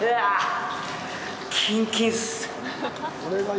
キンキンっす。